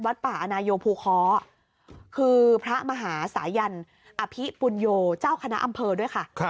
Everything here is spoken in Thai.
ป่าอนายโยภูค้อคือพระมหาสายันอภิปุญโยเจ้าคณะอำเภอด้วยค่ะ